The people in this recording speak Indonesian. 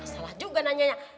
salah juga nanyanya